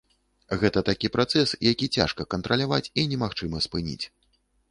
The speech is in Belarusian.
Гэта такі працэс, які цяжка кантраляваць, і немагчыма спыніць.